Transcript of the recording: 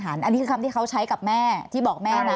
อันนี้คือคำที่เขาใช้กับแม่ที่บอกแม่นะ